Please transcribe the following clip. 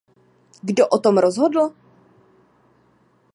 Kdo o tom rozhodl?